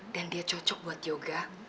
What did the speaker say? dan dia cocok buat yoga